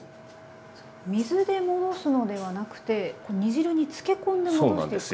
水で戻すのではなくて煮汁につけこんで戻していく。